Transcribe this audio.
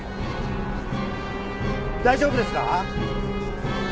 大丈夫ですか？